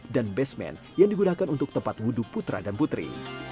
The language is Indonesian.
dan basement yang digunakan untuk tempat wudhu putra dan putri